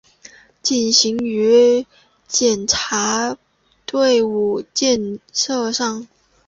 践行于检察队伍建设上